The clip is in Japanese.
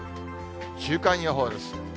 週間予報です。